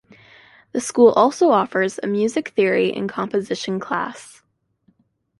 The school also offers a music theory and composition class.